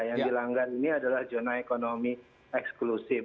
yang dilanggar ini adalah zona ekonomi eksklusif